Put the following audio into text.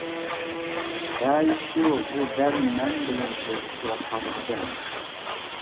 دەل شۇ، بۇ دەل مەن بىلەن سۆزلىشىۋاتقان ئادەم.